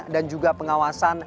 dan juga pengawasan